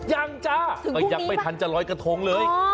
จ้าก็ยังไม่ทันจะลอยกระทงเลย